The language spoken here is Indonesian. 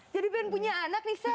jadi pengen punya anak nih shay